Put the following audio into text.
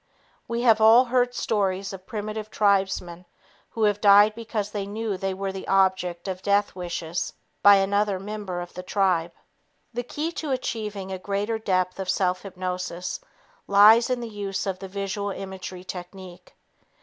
We have all heard stories of primitive tribesmen who have died because they knew they were the objects of "death wishes" by another member of the tribe. The key to achieving a greater depth of self hypnosis lies in the use of the visual imagery technique.